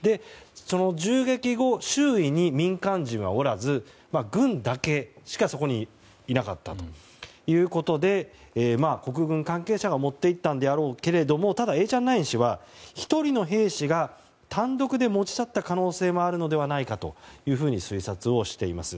銃撃後、周囲に民間人はおらず軍だけしかいなかったということで国軍関係者が持って行ったのであろうけれどもただ、エーチャンナイン氏は１人の兵士が単独で持ち去った可能性もあるのではないかというふうに推察をしています。